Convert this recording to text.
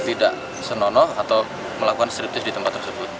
kita tidak bisa menonoh atau melakukan striptease di tempat tersebut